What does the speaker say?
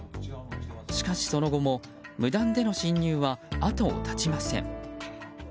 しかし、その後も無断での侵入は後を絶ちません。